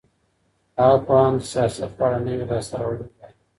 هغه پوهان د سياست په اړه نوې لاسته راوړنې بيانوي.